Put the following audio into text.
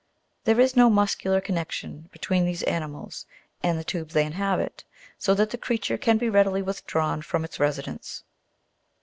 There is no muscular con nection between these animals and the tubes they inhabit, so that the creature can be readily withdrawn from its residence.